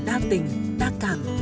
đa tình đa cảm